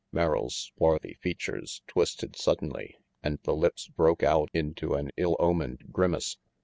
Merrill's swarthy features twisted suddenly and the lips broke out into an ill omened grimace.